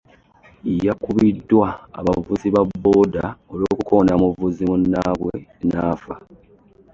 Yakubiddwa abavuzi ba booda olw'okukoona muvuzi munnaaabwe n'afa.